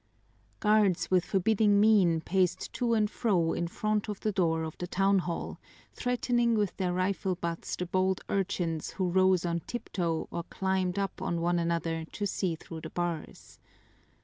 Guards with forbidding mien paced to and fro in front of the door of the town hall, threatening with their rifle butts the bold urchins who rose on tiptoe or climbed up on one another to see through the bars.